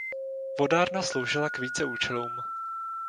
Vodárna sloužila k více účelům.